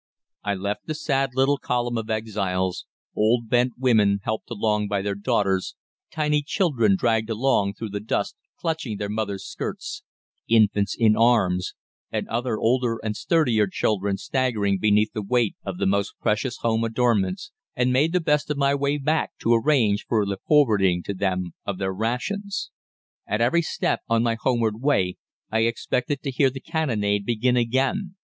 I left the sad little column of exiles old, bent women helped along by their daughters, tiny children dragged along through the dust, clutching their mothers' skirts; infants in arms; and other older and sturdier children staggering beneath the weight of the most precious home adornments and made the best of my way back to arrange for the forwarding to them of their rations. "At every step on my homeward way I expected to hear the cannonade begin again.